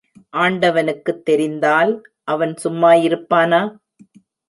ஆண்டவனுக்குத் தெரிந்தால், அவன் கம்மாயிருப்பானா?